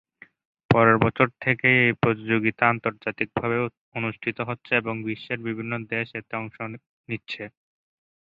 পরের বছর থেকেই এ প্রতিযোগিতা আন্তর্জাতিক ভাবে অনুষ্ঠিত হচ্ছে এবং বিশ্বের বিভিন্ন দেশ এতে অংশ নিচ্ছে।